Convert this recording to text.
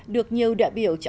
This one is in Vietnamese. được nhiều đại biểu chọn